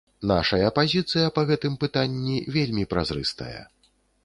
Нашая пазіцыя па гэтым пытанні вельмі празрыстая.